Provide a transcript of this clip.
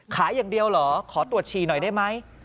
ขายอย่างเดียวเหรอขอตรวจฉี่หน่อยได้ไหม